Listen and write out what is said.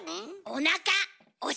おなか？